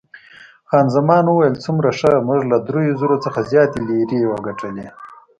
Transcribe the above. خان زمان وویل، څومره ښه، موږ له دریو زرو څخه زیاتې لیرې وګټلې.